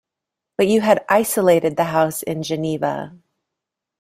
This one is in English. But you had isolated the house in Geneva.